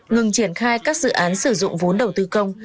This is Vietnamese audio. ngừng triển khai các dự án sử dụng vốn đầu tư công